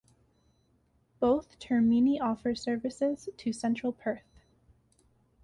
Both termini offer services to central Perth.